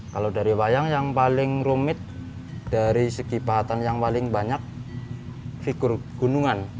kalau dari wayang yang paling rumit dari segi pahatan yang paling banyak figur gunungan